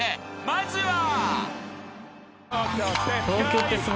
［まずは］